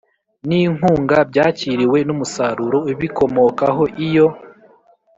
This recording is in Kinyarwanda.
n inkunga byakiriwe n umusaruro ubikomokaho Iyo